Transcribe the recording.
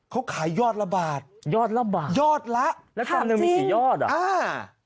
เค้าขายยอดละบาทยอดละภาพก่อนเนื่องมีกี่ยอดอ่ะใช่ยอดละ